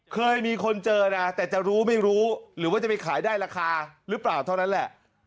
เคยมีคนเจอนะแต่จะรู้ไม่รู้หรือว่าจะไปขายได้ราคาหรือเปล่าเท่านั้นแหละ